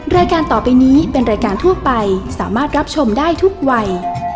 รายการต่อไปนี้เป็นรายการทั่วไปสามารถรับชมได้ทุกวัย